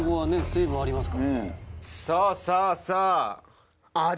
さあさあさあああ